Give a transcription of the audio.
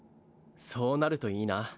そうなるといいな。